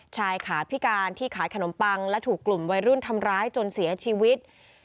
ชายขาพิการที่ขายขนมปังและถูกกลุ่มวัยรุ่นทำร้ายจนเสียชีวิต